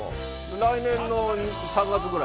来年３月くらい。